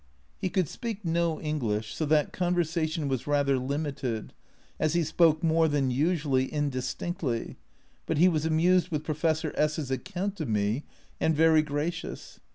He could speak no English, so that conversation was rather limited, as he spoke more than usually indistinctly, but he was amused with Professor S *s account of me, and very gracious.